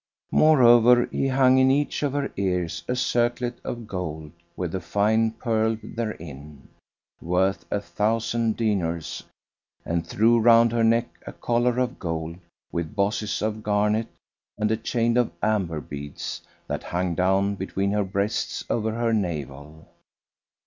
Moreover, he hung in each of her ears a circlet of gold with a fine pearl therein, worth a thousand dinars, and threw round her neck a collar of gold with bosses of garnet and a chain of amber beads that hung down between her breasts over her navel.